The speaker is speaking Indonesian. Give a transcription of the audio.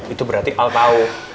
itu berarti al tau